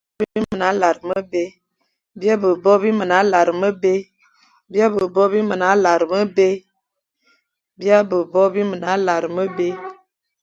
Bîe-be-bo bi mana lar mebé ;